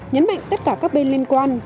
nhấn mạnh tất cả các bên liên quan